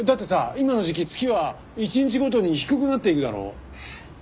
今の時期月は１日ごとに低くなっていくだろ？